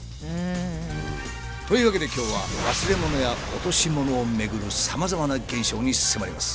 というわけで今日は忘れ物や落とし物をめぐるさまざまな現象に迫ります。